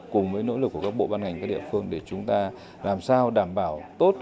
cùng với nỗ lực của các bộ ban ngành các địa phương để chúng ta làm sao đảm bảo tốt